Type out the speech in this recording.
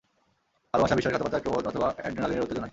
ভালোবাসা, বিশ্বাসঘাতকতা, ক্রোধ, অথবা অ্যাড্রেনালিনের উত্তেজনায়।